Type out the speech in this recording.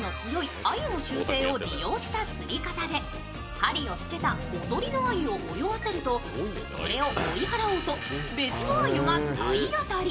針をつけたおとりの鮎を泳がせるとそれを追い払おうと別の鮎や体当たり。